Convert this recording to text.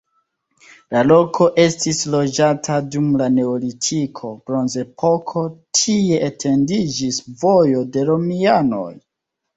La loko estis loĝata dum la neolitiko, bronzepoko, tie etendiĝis vojo de romianoj.